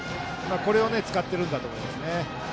これを使っているんだと思います。